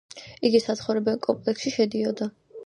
იგი საცხოვრებელ კომპლექსში შედიოდა.